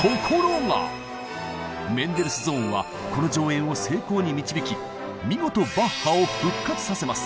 メンデルスゾーンはこの上演を成功に導き見事バッハを復活させます！